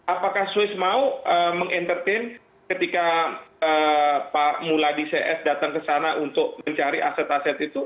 apakah swiss mau meng entertain ketika pak muladi cs datang ke sana untuk mencari aset aset itu